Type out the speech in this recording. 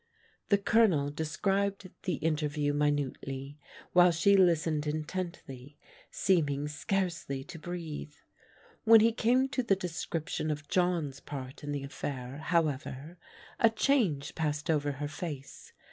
The Colonel described the interview minutely, while she listened intently, seeming scarcely to breathe. When he came to the description of John's part in the affair, however, a change passed over her face.